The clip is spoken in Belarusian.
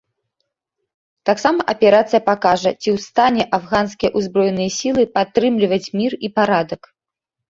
Таксама аперацыя пакажа ці ў стане афганскія ўзброеныя сілы падтрымліваць мір і парадак.